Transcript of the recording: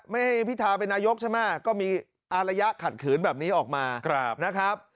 ไม่ให้พิธาเป็นนายกใช่ไหมก็มีอารยะขัดขืนแบบนี้ออกมานะครับ